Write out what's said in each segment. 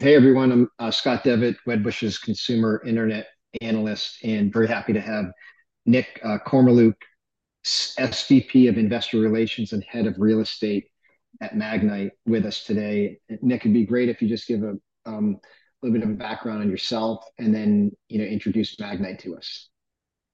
Hey, everyone. I'm Scott Devitt, Wedbush's consumer internet analyst, and very happy to have Nick Kormeluk, SVP of Investor Relations and Head of Real Estate at Magnite, with us today. Nick, it'd be great if you just give a little bit of background on yourself, and then, you know, introduce Magnite to us.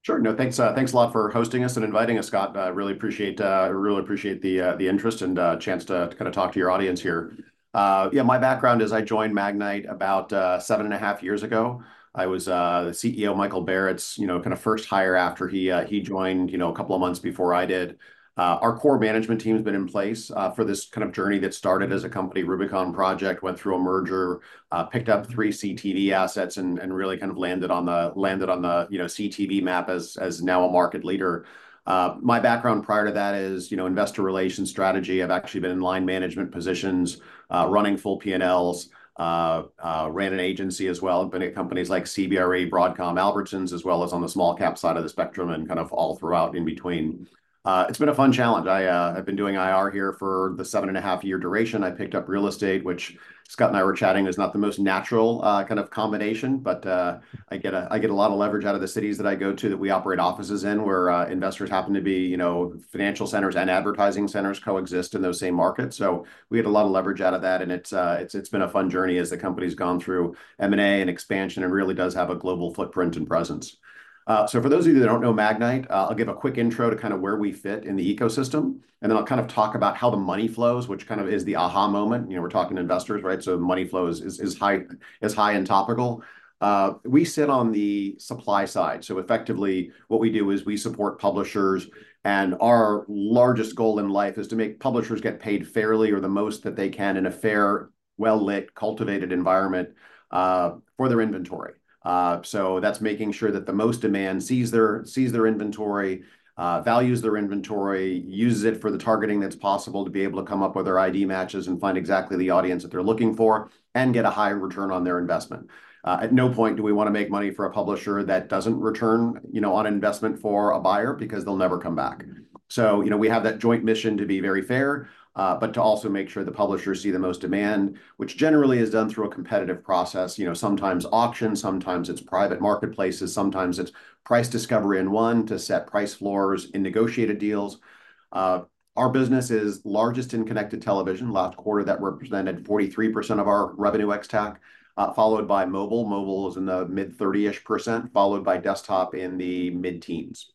Sure. No, thanks, thanks a lot for hosting us and inviting us, Scott. I really appreciate, I really appreciate the, the interest and, chance to, to kind of talk to your audience here. Yeah, my background is I joined Magnite about, seven and a half years ago. I was, the CEO Michael Barrett's, you know, kind of first hire after he, he joined, you know, a couple of months before I did. Our core management team has been in place, for this kind of journey that started as a company. Rubicon Project, went through a merger, picked up three CTV assets, and, and really kind of landed on the- landed on the, you know, CTV map as, as now a market leader. My background prior to that is, you know, investor relations strategy. I've actually been in line management positions, running full P&Ls. Ran an agency as well, been at companies like CBRE, Broadcom, Albertsons, as well as on the small cap side of the spectrum, and kind of all throughout in between. It's been a fun challenge. I, I've been doing IR here for the seven-and-a-half year duration. I picked up real estate, which Scott and I were chatting, is not the most natural kind of combination, but, I get a lot of leverage out of the cities that I go to, that we operate offices in, where, investors happen to be, you know, financial centers and advertising centers coexist in those same markets. So we get a lot of leverage out of that, and it's been a fun journey as the company's gone through M&A and expansion and really does have a global footprint and presence. So for those of you that don't know Magnite, I'll give a quick intro to kind of where we fit in the ecosystem, and then I'll kind of talk about how the money flows, which kind of is the aha moment. You know, we're talking investors, right? So money flow is high and topical. We sit on the supply side, so effectively what we do is we support publishers, and our largest goal in life is to make publishers get paid fairly or the most that they can in a fair, well-lit, curated environment for their inventory. So that's making sure that the most demand sees their inventory, values their inventory, uses it for the targeting that's possible to be able to come up with their ID matches and find exactly the audience that they're looking for and get a high return on their investment. At no point do we wanna make money for a publisher that doesn't return, you know, on investment for a buyer, because they'll never come back. So, you know, we have that joint mission to be very fair, but to also make sure the publishers see the most demand, which generally is done through a competitive process. You know, sometimes auction, sometimes it's private marketplaces, sometimes it's price discovery in one to set price floors in negotiated deals. Our business is largest in connected television. Last quarter, that represented 43% of our revenue ex-TAC, followed by mobile. Mobile is in the mid-thirty-ish %, followed by desktop in the mid-teens.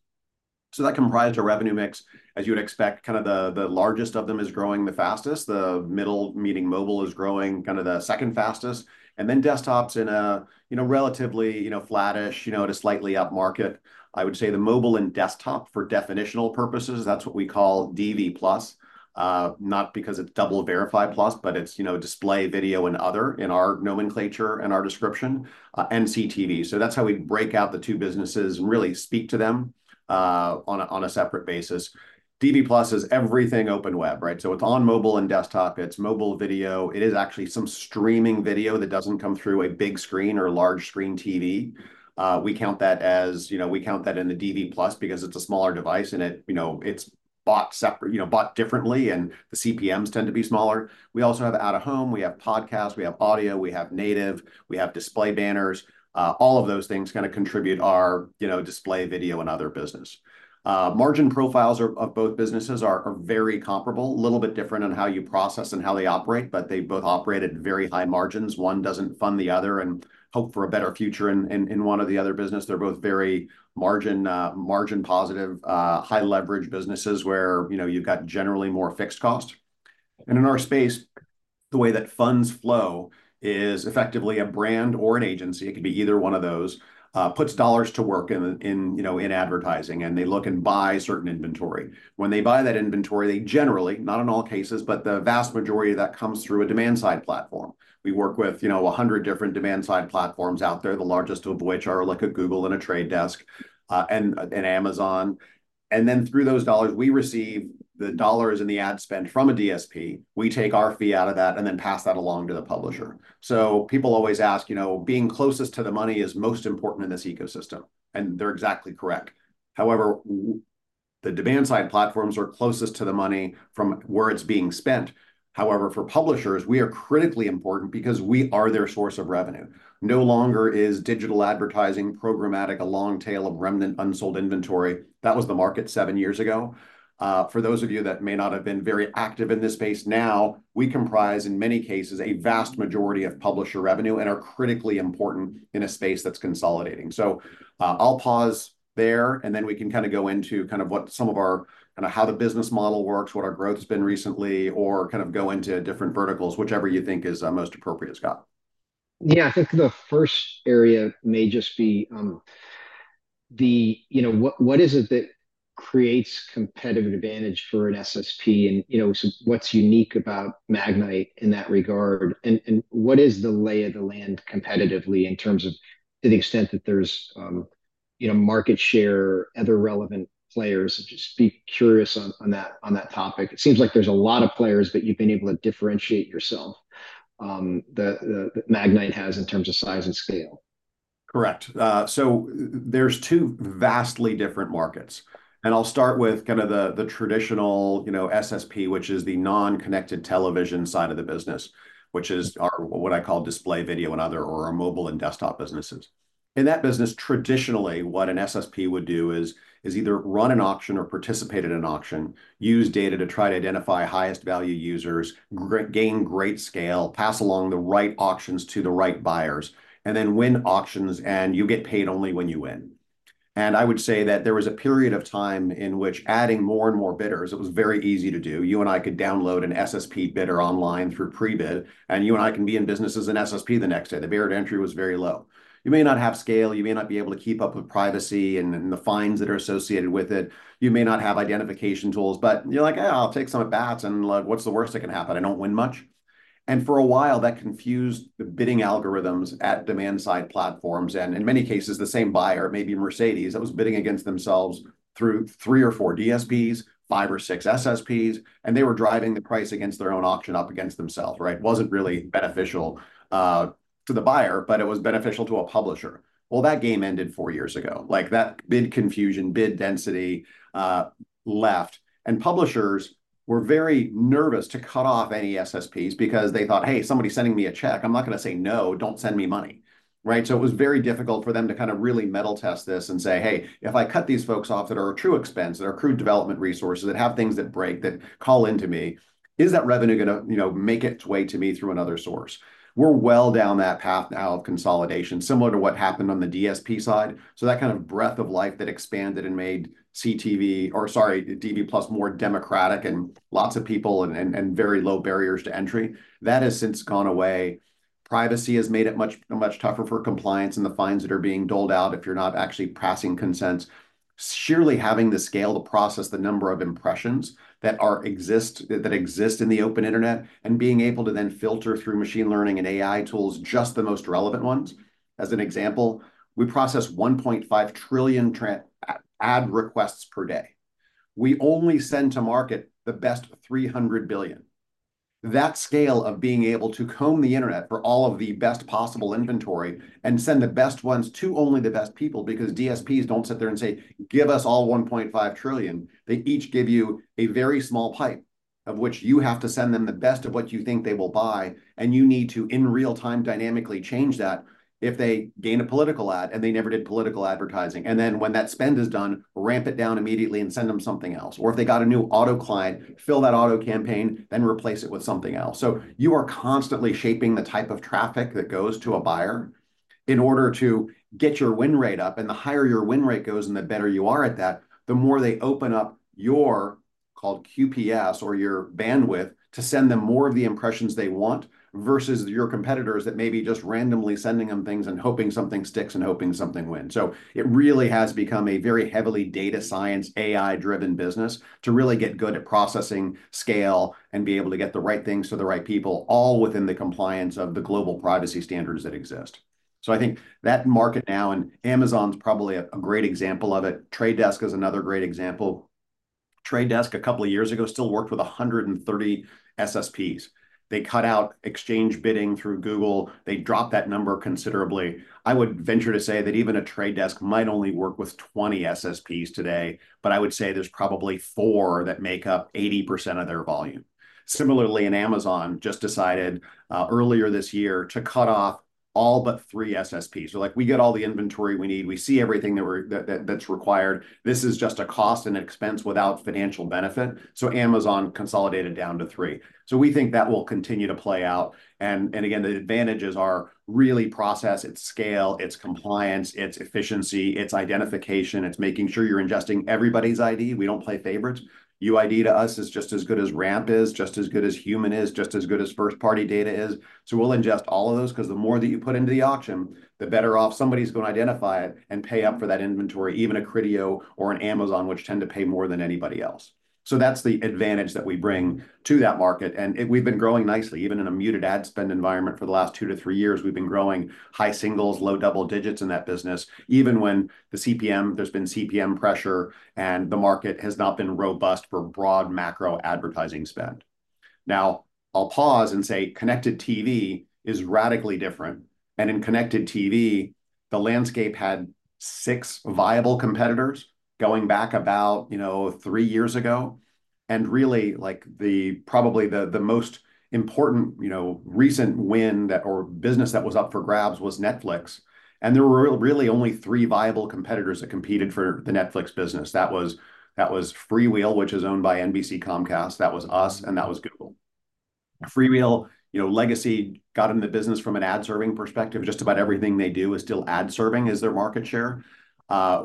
So that comprised our revenue mix. As you would expect, kind of the, the largest of them is growing the fastest. The middle, meaning mobile, is growing kind of the second fastest, and then desktop's in a, you know, relatively, you know, flattish, you know, at a slightly upmarket. I would say the mobile and desktop, for definitional purposes, that's what we call DV+, not because it's DoubleVerify plus, but it's, you know, display, video, and other in our nomenclature and our description, and CTV. So that's how we break out the two businesses and really speak to them on a, on a separate basis. DV+ is everything open web, right? So it's on mobile and desktop, it's mobile video. It is actually some streaming video that doesn't come through a big screen or a large screen TV. We count that, you know, in the DV+ because it's a smaller device and it, you know, it's bought separate. You know, bought differently, and the CPMs tend to be smaller. We also have out-of-home, we have podcast, we have audio, we have native, we have display banners. All of those things kinda contribute our, you know, display, video, and other business. Margin profiles of both businesses are very comparable, a little bit different on how you process and how they operate, but they both operate at very high margins. One doesn't fund the other and hope for a better future in one or the other business. They're both very margin-positive, high-leverage businesses, where, you know, you've got generally more fixed cost. And in our space, the way that funds flow is effectively a brand or an agency, it could be either one of those, puts dollars to work in, you know, in advertising, and they look and buy certain inventory. When they buy that inventory, they generally, not in all cases, but the vast majority of that comes through a demand-side platform. We work with, you know, 100 different demand-side platforms out there, the largest of which are like Google and The Trade Desk, and Amazon. And then through those dollars, we receive the dollars and the ad spend from a DSP, we take our fee out of that and then pass that along to the publisher. So people always ask, you know, being closest to the money is most important in this ecosystem, and they're exactly correct. However, the demand-side platforms are closest to the money from where it's being spent. However, for publishers, we are critically important because we are their source of revenue. No longer is digital advertising programmatic a long tail of remnant unsold inventory. That was the market seven years ago. For those of you that may not have been very active in this space, now, we comprise, in many cases, a vast majority of publisher revenue and are critically important in a space that's consolidating. So, I'll pause there, and then we can kinda go into kind of what some of our... Kinda how the business model works, what our growth's been recently, or kind of go into different verticals, whichever you think is most appropriate, Scott. Yeah, I think the first area may just be, you know, what is it that creates competitive advantage for an SSP? And, you know, so what's unique about Magnite in that regard? And what is the lay of the land competitively in terms of the extent that there's, you know, market share, other relevant players? Just be curious on that topic. It seems like there's a lot of players, but you've been able to differentiate yourself, Magnite has in terms of size and scale.... Correct. So there's two vastly different markets, and I'll start with kind of the traditional, you know, SSP, which is the non-connected television side of the business, which is our what I call display, video, and other, or our mobile and desktop businesses. In that business, traditionally, what an SSP would do is either run an auction or participate in an auction, use data to try to identify highest-value users, gain great scale, pass along the right auctions to the right buyers, and then win auctions, and you get paid only when you win. And I would say that there was a period of time in which adding more and more bidders, it was very easy to do. You and I could download an SSP bidder online through Prebid, and you and I can be in business as an SSP the next day. The barrier to entry was very low. You may not have scale, you may not be able to keep up with privacy and the fines that are associated with it. You may not have identification tools, but you're like, "Eh, I'll take some at-bats, and, like, what's the worst that can happen? I don't win much?", and for a while, that confused the bidding algorithms at demand-side platforms, and in many cases, the same buyer, maybe Mercedes, that was bidding against themselves through three or four DSPs, five or six SSPs, and they were driving the price against their own auction up against themselves, right? Wasn't really beneficial to the buyer, but it was beneficial to a publisher, well, that game ended four years ago. Like, that bid confusion, bid density, and publishers were very nervous to cut off any SSPs because they thought, "Hey, somebody's sending me a check. I'm not gonna say no, don't send me money," right? So it was very difficult for them to kind of really mettle test this and say, "Hey, if I cut these folks off that are a true expense, that are consuming development resources, that have things that break, that call into me, is that revenue gonna, you know, make its way to me through another source?" We're well down that path now of consolidation, similar to what happened on the DSP side. So that kind of breath of life that expanded and made CTV... or, sorry, DV plus more democratic, and lots of people and very low barriers to entry, that has since gone away. Privacy has made it much, much tougher for compliance and the fines that are being doled out if you're not actually passing consents. Sheerly having the scale to process the number of impressions that exist in the open internet, and being able to then filter through machine learning and AI tools, just the most relevant ones. As an example, we process 1.5 trillion ad requests per day. We only send to market the best 300 billion. That scale of being able to comb the internet for all of the best possible inventory and send the best ones to only the best people, because DSPs don't sit there and say, "Give us all 1.5 trillion." They each give you a very small pipe, of which you have to send them the best of what you think they will buy, and you need to, in real time, dynamically change that if they gain a political ad, and they never did political advertising. And then when that spend is done, ramp it down immediately and send them something else. Or if they got a new auto client, fill that auto campaign, then replace it with something else. You are constantly shaping the type of traffic that goes to a buyer in order to get your win rate up, and the higher your win rate goes, and the better you are at that, the more they open up your, called QPS, or your bandwidth, to send them more of the impressions they want, versus your competitors that may be just randomly sending them things and hoping something sticks and hoping something wins. So it really has become a very heavily data science, AI-driven business to really get good at processing scale and be able to get the right things to the right people, all within the compliance of the global privacy standards that exist. So I think that market now, and Amazon's probably a great example of it. Trade Desk is another great example. Trade Desk, a couple of years ago, still worked with 130 SSPs. They cut out exchange Bidding through Google. They dropped that number considerably. I would venture to say that even The Trade Desk might only work with 20 SSPs today, but I would say there's probably four that make up 80% of their volume. Similarly, Amazon just decided earlier this year to cut off all but three SSPs. They're like: We get all the inventory we need, we see everything that that's required. This is just a cost and expense without financial benefit, so Amazon consolidated down to three. So we think that will continue to play out, and again, the advantages are really process, it's scale, it's compliance, it's efficiency, it's identification, it's making sure you're ingesting everybody's ID. We don't play favorites. UID to us is just as good as Ramp is, just as good as Human is, just as good as first-party data is. So we'll ingest all of those, 'cause the more that you put into the auction, the better off somebody's gonna identify it and pay up for that inventory, even a Criteo or an Amazon, which tend to pay more than anybody else. So that's the advantage that we bring to that market, and we've been growing nicely, even in a muted ad spend environment for the last two to three years, we've been growing high singles, low double digits in that business, even when the CPM, there's been CPM pressure, and the market has not been robust for broad macro advertising spend. Now, I'll pause and say connected TV is radically different, and in connected TV, the landscape had six viable competitors going back about, you know, three years ago. And really, like, probably the most important, you know, recent win that or business that was up for grabs was Netflix, and there were really only three viable competitors that competed for the Netflix business. That was, that was FreeWheel, which is owned by NBC Comcast, that was us, and that was Google. FreeWheel, you know, legacy got in the business from an ad-serving perspective. Just about everything they do is still ad-serving as their market share.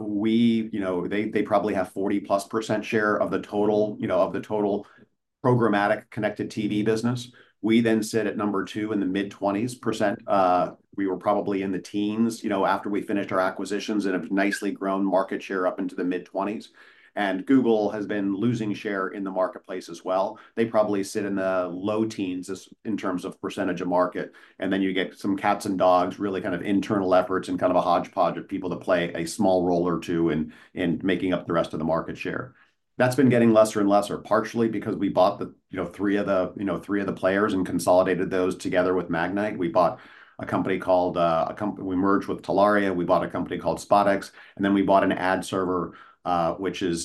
We, you know. They, they probably have 40-plus% share of the total, you know, of the total TV programmatic connected TV business. We then sit at number two in the mid-twenties%. We were probably in the teens, you know, after we finished our acquisitions and have nicely grown market share up into the mid-twenties, and Google has been losing share in the marketplace as well. They probably sit in the low teens as, in terms of percentage of market, and then you get some cats and dogs, really kind of internal efforts and kind of a hodgepodge of people that play a small role or two in, in making up the rest of the market share. That's been getting lesser and lesser, partially because we bought, you know, three of the players and consolidated those together with Magnite. We merged with Telaria. We bought a company called SpotX, and then we bought an ad server, which was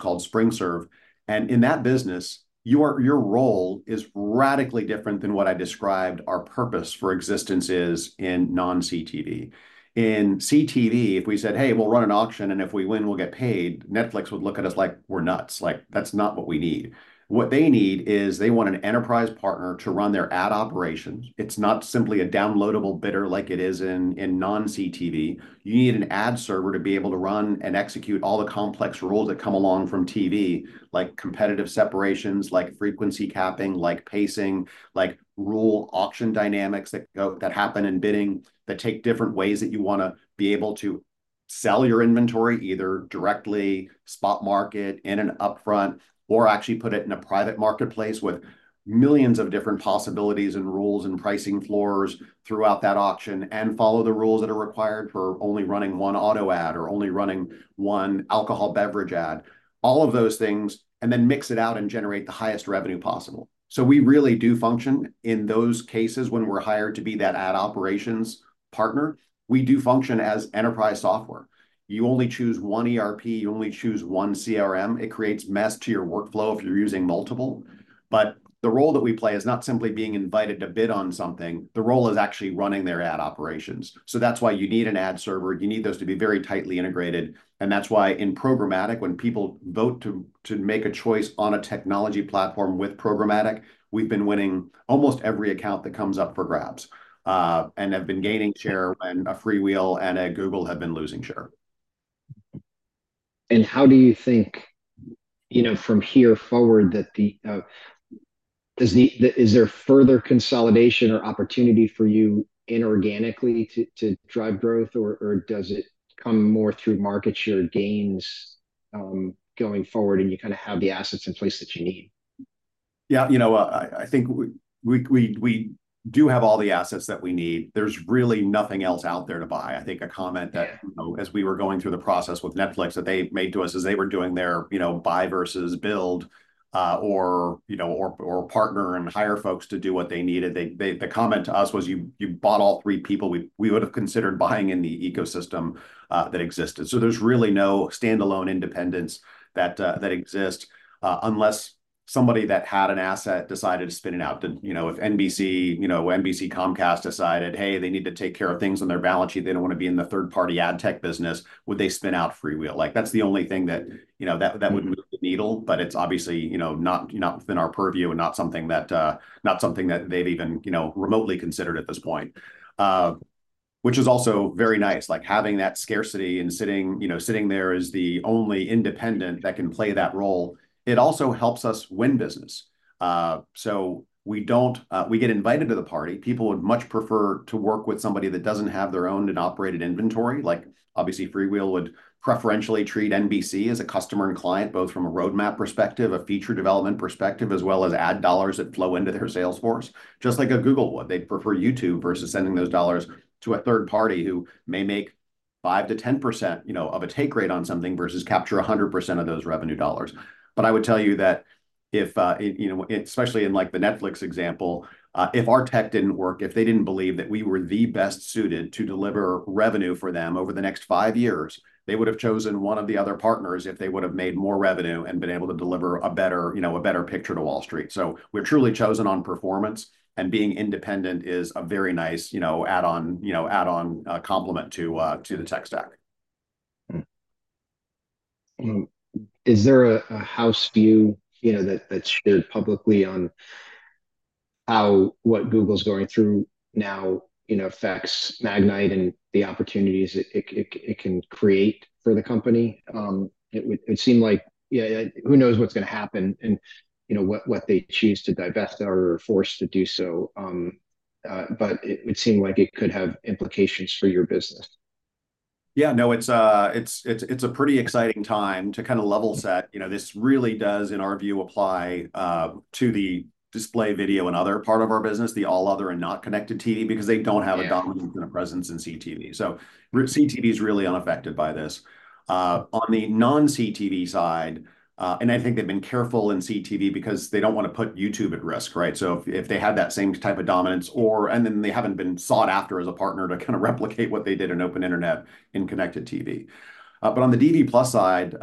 called SpringServe. In that business, your role is radically different than what I described our purpose for existence is in non-CTV. In CTV, if we said, "Hey, we'll run an auction, and if we win, we'll get paid," Netflix would look at us like we're nuts, like, "That's not what we need." What they need is they want an enterprise partner to run their ad operations. It's not simply a downloadable bidder like it is in non-CTV. You need an ad server to be able to run and execute all the complex rules that come along from TV, like competitive separations, like frequency capping, like pacing, like rule auction dynamics that happen in bidding, that take different ways that you wanna be able to sell your inventory, either directly, spot market, in an upfront, or actually put it in a private marketplace with millions of different possibilities and rules and pricing floors throughout that auction, and follow the rules that are required for only running one auto ad or only running one alcohol beverage ad. All of those things, and then mix it out and generate the highest revenue possible. So we really do function in those cases when we're hired to be that ad operations partner, we do function as enterprise software. You only choose one ERP, you only choose one CRM. It creates mess to your workflow if you're using multiple. But the role that we play is not simply being invited to bid on something, the role is actually running their ad operations. So that's why you need an ad server. You need those to be very tightly integrated, and that's why in programmatic, when people vote to make a choice on a technology platform with programmatic, we've been winning almost every account that comes up for grabs, and have been gaining share, and FreeWheel and Google have been losing share. How do you think, you know, from here forward, is there further consolidation or opportunity for you inorganically to drive growth or does it come more through market share gains going forward, and you kinda have the assets in place that you need? Yeah, you know, I think we do have all the assets that we need. There's really nothing else out there to buy. I think a comment that, you know, as we were going through the process with Netflix, that they made to us as they were doing their, you know, buy versus build, or, you know, partner and hire folks to do what they needed. The comment to us was, "You bought all three people we would've considered buying in the ecosystem that existed." So there's really no standalone independence that exist, unless somebody that had an asset decided to spin it out. Then, you know, if NBC, you know, NBC Comcast decided, hey, they need to take care of things on their balance sheet, they don't wanna be in the third-party ad tech business, would they spin out FreeWheel? Like, that's the only thing that, you know, that- Mm... that would move the needle, but it's obviously, you know, not within our purview and not something that they've even, you know, remotely considered at this point. Which is also very nice, like, having that scarcity and sitting, you know, sitting there as the only independent that can play that role, it also helps us win business. So we don't, we get invited to the party. People would much prefer to work with somebody that doesn't have their own and operated inventory. Like, obviously, FreeWheel would preferentially treat NBC as a customer and client, both from a roadmap perspective, a feature development perspective, as well as ad dollars that flow into their sales force, just like a Google would. They'd prefer YouTube versus sending those dollars to a third party who may make 5%-10%, you know, of a take rate on something versus capture 100% of those revenue dollars. But I would tell you that if you know, especially in, like, the Netflix example, if our tech didn't work, if they didn't believe that we were the best suited to deliver revenue for them over the next five years, they would've chosen one of the other partners if they would've made more revenue and been able to deliver a better, you know, a better picture to Wall Street. So we're truly chosen on performance, and being independent is a very nice, you know, add-on, you know, add-on, complement to the tech stack. Is there a house view, you know, that's shared publicly on how what Google's going through now, you know, affects Magnite and the opportunities it can create for the company? It would seem like, yeah, who knows what's gonna happen and, you know, what they choose to divest or are forced to do so, but it would seem like it could have implications for your business. Yeah, no, it's a pretty exciting time to kinda level set. You know, this really does, in our view, apply to the display video and other part of our business, the all other and not connected TV, because they don't have- Yeah... a dominant presence in CTV. So CTV is really unaffected by this. On the non-CTV side, and I think they've been careful in CTV because they don't wanna put YouTube at risk, right? So if they had that same type of dominance or... and then they haven't been sought after as a partner to kinda replicate what they did in open internet in connected TV. But on the DV plus side,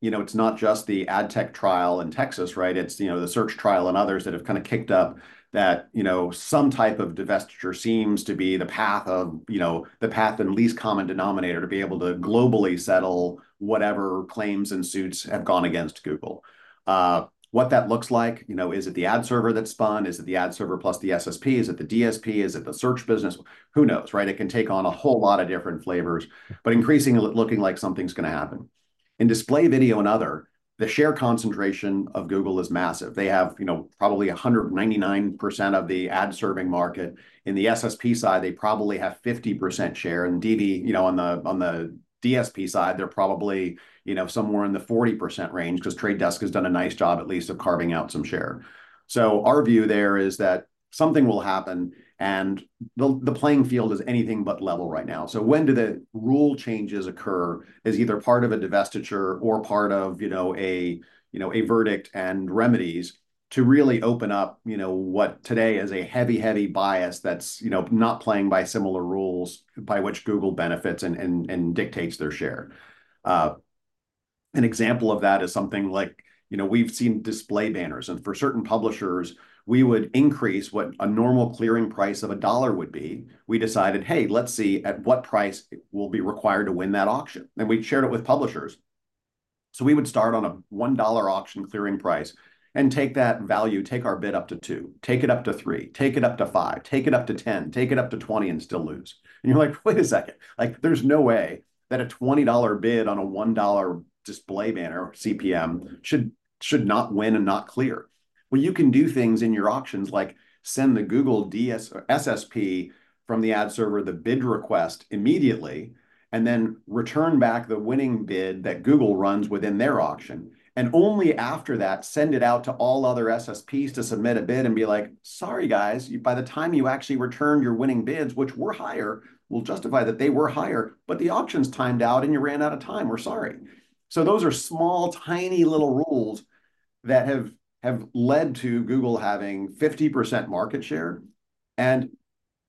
you know, it's not just the ad tech trial in Texas, right? It's, you know, the search trial and others that have kinda kicked up that, you know, some type of divestiture seems to be the path of, you know, and least common denominator to be able to globally settle whatever claims and suits have gone against Google. What that looks like, you know, is it the ad server that's spun? Is it the ad server plus the SSP? Is it the DSP? Is it the search business? Who knows, right? It can take on a whole lot of different flavors, but increasingly looking like something's gonna happen. In display video and other, the share concentration of Google is massive. They have, you know, probably 199% of the ad-serving market. In the SSP side, they probably have 50% share, and DV, you know, on the DSP side, they're probably, you know, somewhere in the 40% range, 'cause Trade Desk has done a nice job at least of carving out some share. So our view there is that something will happen, and the playing field is anything but level right now. So when do the rule changes occur as either part of a divestiture or part of, you know, a, you know, a verdict and remedies to really open up, you know, what today is a heavy, heavy bias that's, you know, not playing by similar rules by which Google benefits and dictates their share? An example of that is something like, you know, we've seen display banners, and for certain publishers, we would increase what a normal clearing price of $1 would be. We decided, "Hey, let's see at what price we'll be required to win that auction," and we shared it with publishers. We would start on a $1 auction clearing price and take that value, take our bid up to $2, take it up to 3, take it up to 5, take it up to 10, take it up to 20, and still lose. You're like, "Wait a second," like, there's no way that a $20 bid on a $1 display banner CPM should not win and not clear. You can do things in your auctions like send the Google SSP from the ad server the bid request immediately, and then return back the winning bid that Google runs within their auction, and only after that, send it out to all other SSPs to submit a bid and be like, "Sorry, guys, you by the time you actually returned your winning bids, which were higher, we'll justify that they were higher, but the auction's timed out, and you ran out of time. We're sorry." So those are small, tiny, little rules that have led to Google having 50% market share and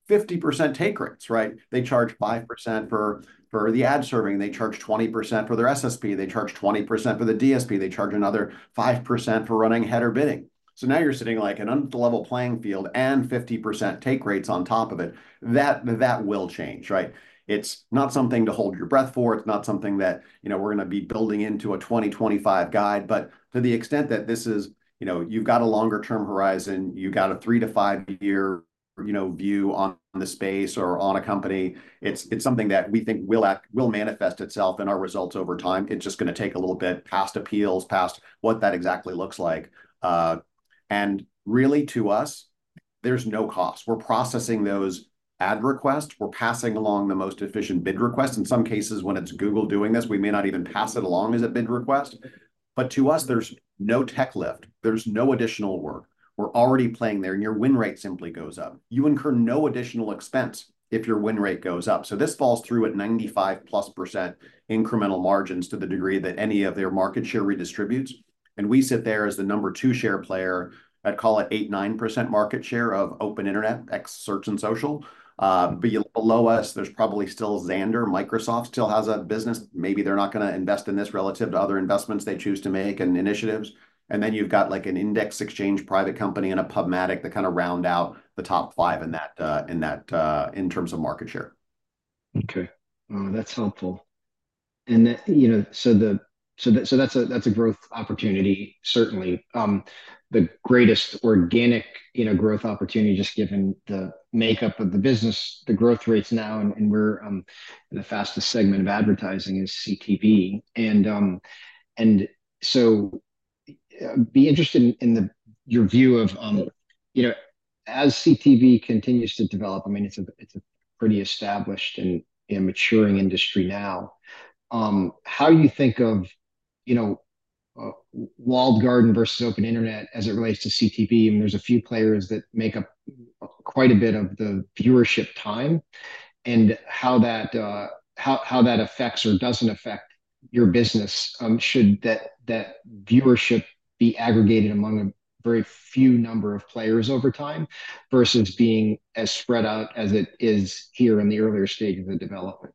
50% take rates, right? They charge 5% for the ad serving. They charge 20% for their SSP. They charge 20% for the DSP. They charge another 5% for running header bidding. So now you're sitting like an unlevel playing field and 50% take rates on top of it. That, that will change, right? It's not something to hold your breath for. It's not something that, you know, we're gonna be building into a 2025 guide. But to the extent that this is... You know, you've got a longer-term horizon, you've got a three- to five-year, you know, view on the space or on a company, it's, it's something that we think will manifest itself in our results over time. It's just gonna take a little bit past appeals, past what that exactly looks like. And really, to us, there's no cost. We're processing those ad requests. We're passing along the most efficient bid request. In some cases, when it's Google doing this, we may not even pass it along as a bid request. But to us, there's no tech lift. There's no additional work. We're already playing there, and your win rate simply goes up. You incur no additional expense if your win rate goes up, so this falls through at 95-plus% incremental margins to the degree that any of their market share redistributes. And we sit there as the number two share player. I'd call it 8-9% market share of open internet, ex search and social. Below us, there's probably still Xandr. Microsoft still has a business. Maybe they're not gonna invest in this relative to other investments they choose to make, and initiatives. And then you've got, like, an Index Exchange private company and a PubMatic that kind of round out the top five in that, in that, in terms of market share. Okay. That's helpful. And then, you know, so that's a growth opportunity, certainly. The greatest organic, you know, growth opportunity, just given the makeup of the business, the growth rates now, and we're in the fastest segment of advertising is CTV. And so be interested in the... Your view of, you know, as CTV continues to develop, I mean, it's a pretty established and maturing industry now, how you think of, you know, walled garden versus open internet as it relates to CTV, and there's a few players that make up quite a bit of the viewership time, and how that affects or doesn't affect your business, should that viewership be aggregated among a very few number of players over time versus being as spread out as it is here in the earlier stage of the development?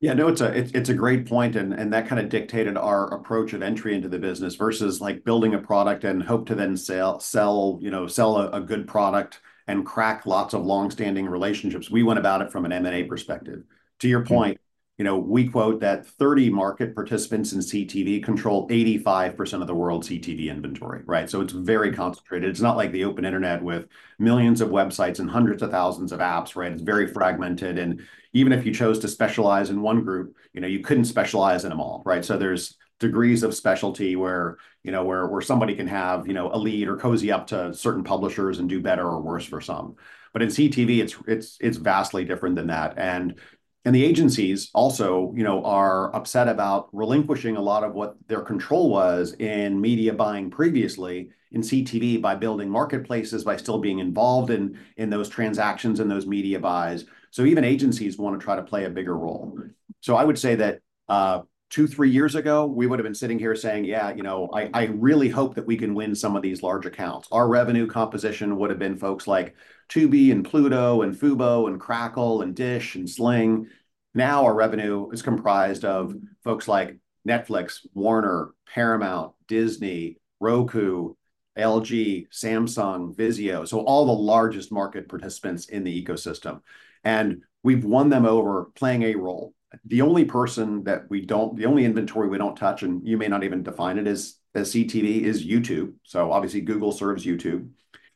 Yeah, no, it's a great point, and that kind of dictated our approach of entry into the business versus, like, building a product and hope to then sell, you know, sell a good product and crack lots of long-standing relationships. We went about it from an M&A perspective. To your point, you know, we quote that 30 market participants in CTV control 85% of the world's CTV inventory, right? So it's very concentrated. It's not like the open internet with millions of websites and hundreds of thousands of apps, right? It's very fragmented, and even if you chose to specialize in one group, you know, you couldn't specialize in them all, right? So there's degrees of specialty where, you know, where somebody can have, you know, a lead or cozy up to certain publishers and do better or worse for some. But in CTV, it's vastly different than that. And the agencies also, you know, are upset about relinquishing a lot of what their control was in media buying previously in CTV by building marketplaces, by still being involved in those transactions and those media buys. So even agencies want to try to play a bigger role. So I would say that two, three years ago, we would've been sitting here saying, "Yeah, you know, I really hope that we can win some of these large accounts." Our revenue composition would've been folks like Tubi and Pluto and Fubo and Crackle and Dish and Sling. Now our revenue is comprised of folks like Netflix, Warner, Paramount, Disney, Roku, LG, Samsung, Vizio, so all the largest market participants in the ecosystem, and we've won them over playing a role. The only inventory we don't touch, and you may not even define it as CTV, is YouTube, so obviously Google serves YouTube.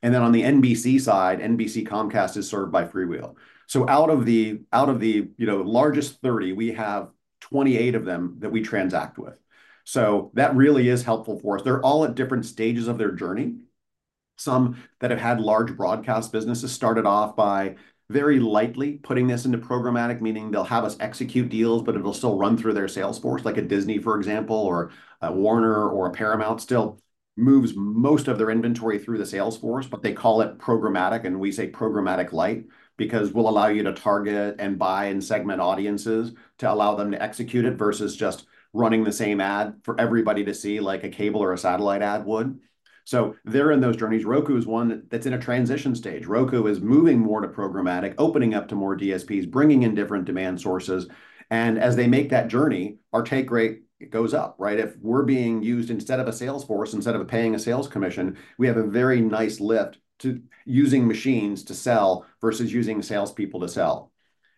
And then on the NBC side, NBC Comcast is served by FreeWheel. So out of the you know largest 30, we have 28 of them that we transact with. So that really is helpful for us. They're all at different stages of their journey, some that have had large broadcast businesses started off by very lightly putting this into programmatic, meaning they'll have us execute deals, but it'll still run through their sales force. Like a Disney, for example, or a Warner or a Paramount still moves most of their inventory through the sales force, but they call it programmatic, and we say programmatic light, because we'll allow you to target and buy and segment audiences to allow them to execute it, versus just running the same ad for everybody to see, like a cable or a satellite ad would. So they're in those journeys. Roku is one that, that's in a transition stage. Roku is moving more to programmatic, opening up to more DSPs, bringing in different demand sources, and as they make that journey, our take rate goes up, right? If we're being used instead of a sales force, instead of paying a sales commission, we have a very nice lift to using machines to sell versus using salespeople to sell.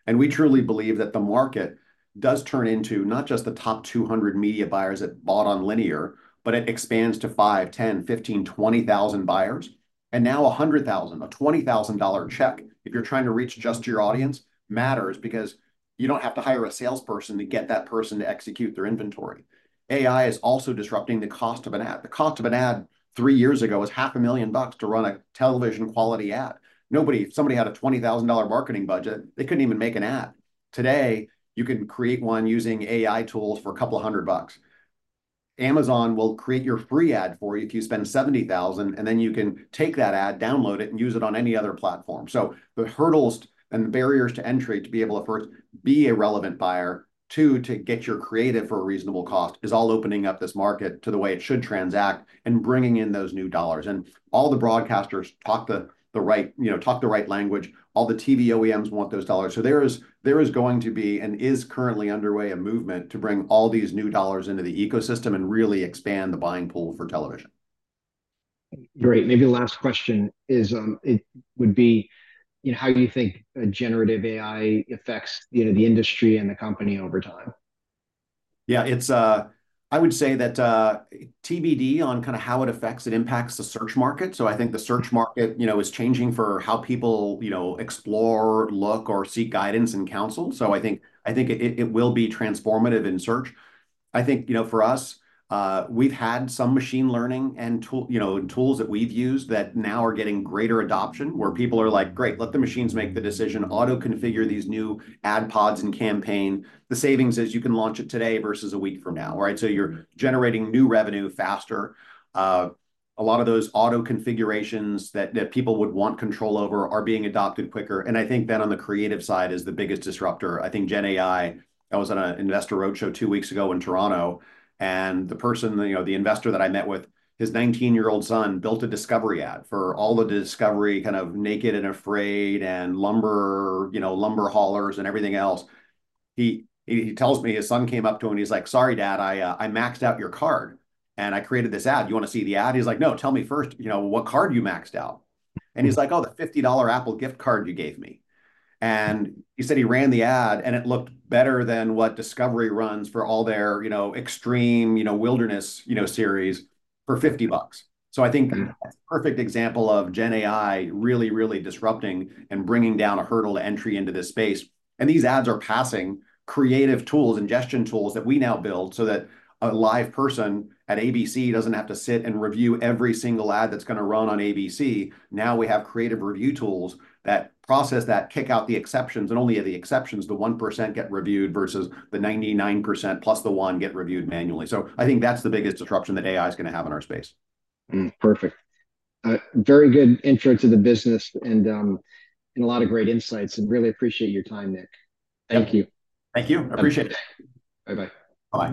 We truly believe that the market does turn into not just the top 200 media buyers that bought on linear, but it expands to five, 10, 15, 20 thousand buyers, and now 100,000. A $20,000 check, if you're trying to reach just your audience, matters because you don't have to hire a salesperson to get that person to execute their inventory. AI is also disrupting the cost of an ad. The cost of an ad three years ago was $500,000 to run a television-quality ad. Nobody. If somebody had a $20,000 marketing budget, they couldn't even make an ad. Today, you can create one using AI tools for a couple of hundred bucks. Amazon will create your free ad for you if you spend $70,000, and then you can take that ad, download it, and use it on any other platform. So the hurdles and the barriers to entry to be able to, first, be a relevant buyer, two, to get your creative for a reasonable cost, is all opening up this market to the way it should transact and bringing in those new dollars. And all the broadcasters talk the right, you know, language. All the TV OEMs want those dollars. So there is going to be, and is currently underway, a movement to bring all these new dollars into the ecosystem and really expand the buying pool for television. Great. Maybe the last question is, it would be, you know, how do you think a Generative AI affects, you know, the industry and the company over time? Yeah, it's, I would say that, TBD on kinda how it affects and impacts the search market. So I think the search market, you know, is changing for how people, you know, explore, look, or seek guidance and counsel, so I think it will be transformative in search. I think, you know, for us, we've had some machine learning and tools that we've used that now are getting greater adoption, where people are like: "Great, let the machines make the decision. Auto-configure these new ad pods and campaign." The savings is you can launch it today versus a week from now, right? So you're generating new revenue faster. A lot of those auto configurations that people would want control over are being adopted quicker, and I think that on the creative side is the biggest disruptor. I think Gen AI. I was on an investor roadshow two weeks ago in Toronto, and the person, you know, the investor that I met with, his nineteen-year-old son built a Discovery ad for all the Discovery kind of Naked and Afraid, and lumber, you know, lumber haulers and everything else. He tells me his son came up to him and he's like: "Sorry, Dad, I maxed out your card, and I created this ad. You wanna see the ad?" He's like: "No, tell me first, you know, what card you maxed out." And he's like: "Oh, the $50 Apple gift card you gave me." And he said he ran the ad, and it looked better than what Discovery runs for all their, you know, extreme, you know, wilderness, you know, series for $50. Mm. I think that's a perfect example of Gen AI really, really disrupting and bringing down a hurdle to entry into this space. And these ads are passing creative tools, ingestion tools, that we now build so that a live person at ABC doesn't have to sit and review every single ad that's gonna run on ABC. Now we have creative review tools that process that, kick out the exceptions, and only the exceptions, the 1%, get reviewed, versus the 99% plus the 1 get reviewed manually. I think that's the biggest disruption that AI is gonna have in our space. Mm, perfect. A very good intro to the business and a lot of great insights, and really appreciate your time, Nick. Yep. Thank you. Thank you. Appreciate it. Bye-bye. Bye.